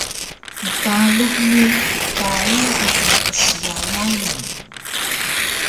Mtalux ni paru bi ka qsiya yayung